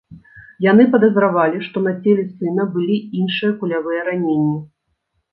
Яны падазравалі, што на целе сына былі іншыя кулявыя раненні.